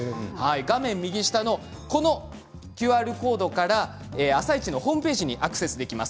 画面のＱＲコードから「あさイチ」のホームページにアクセスできます。